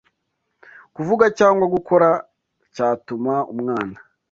kuvuga cyangwa gukora cyatuma umwana